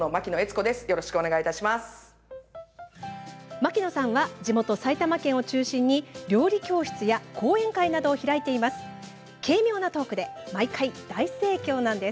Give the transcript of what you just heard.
牧野さんは地元・埼玉県を中心に料理教室や講演会などを開いています。